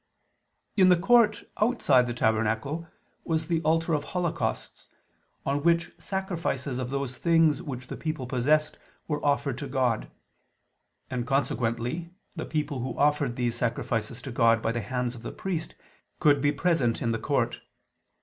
In the court outside the tabernacle was the altar of holocausts, on which sacrifices of those things which the people possessed were offered to God: and consequently the people who offered these sacrifices to God by the hands of the priest could be present in the court.